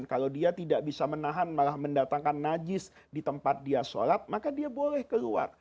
kalau dia tidak bisa menahan malah mendatangkan najis di tempat dia sholat maka dia boleh keluar